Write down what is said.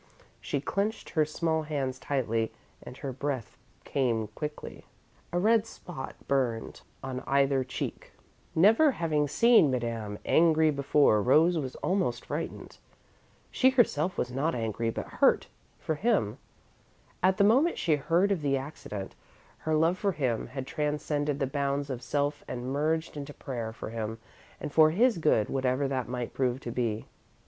She clenched her small hands tightly and her breath came quickly. A red spot burned on either cheek. Never having seen Madame angry before, Rose was almost frightened. She herself was not angry, but hurt for him. At the moment she heard of the accident, her love for him had transcended the bounds of self and merged into prayer for him and for his good, whatever that might prove to be.